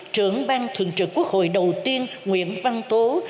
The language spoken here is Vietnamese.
trưởng bang thượng trực quốc hội đầu tiên nguyễn văn tố